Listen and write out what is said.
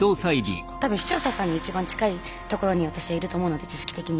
多分視聴者さんに一番近いところに私はいると思うので知識的にも。